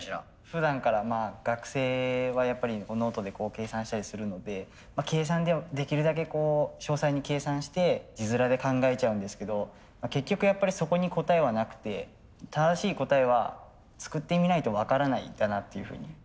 ふだんから学生はやっぱりノートで計算したりするので計算ではできるだけこう詳細に計算して字面で考えちゃうんですけど結局やっぱりそこに答えはなくて正しい答えは作ってみないと分からないんだなっていうふうに。